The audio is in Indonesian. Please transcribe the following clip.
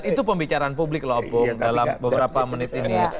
itu pembicaraan publik loh opung dalam beberapa menit ini